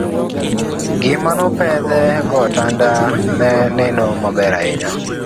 gima no pedh go otanda ne neno maber ahinya